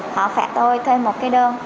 họ phạt tôi thuê một cái đơn